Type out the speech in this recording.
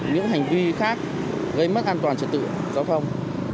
những hành vi khác gây mất an toàn trật tự giao thông